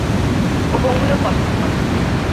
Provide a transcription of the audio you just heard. ও পঙ্গু লোক পছন্দ করে।